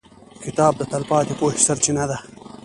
• کتاب د تلپاتې پوهې سرچینه ده.